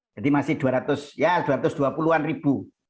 jadi masih dua ratus dua puluh an ribu